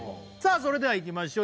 それではいきましょう